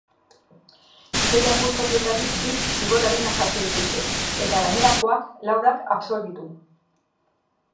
Sei akusatuetatik bik zigor arinak jaso dituzte, eta gainerakoak laurak absolbitu.